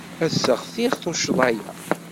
Ad sseɣtiɣ tuccḍa-ya.